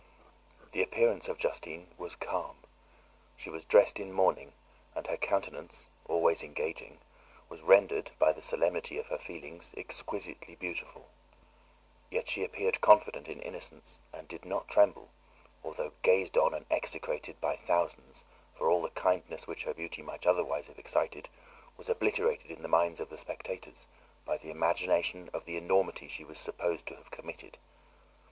The appearance of Justine was calm. She was dressed in mourning, and her countenance, always engaging, was rendered, by the solemnity of her feelings, exquisitely beautiful. Yet she appeared confident in innocence and did not tremble, although gazed on and execrated by thousands, for all the kindness which her beauty might otherwise have excited was obliterated in the minds of the spectators by the imagination of the enormity she was supposed to have committed.